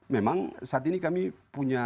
memang saat ini kami punya